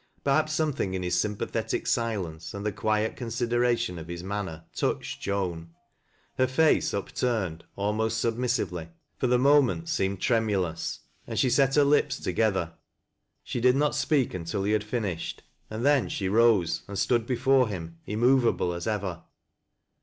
Perhaps something in his sympa thetic silence and the quiet consideration of his maimer touched Joan. Her face, upturned almost submissive ly, for the moment seemed tremulous, and she set her lips together. She did not speak iintil he had finished, and then she rose and stood before him immovable as ever.